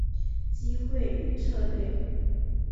机会与策略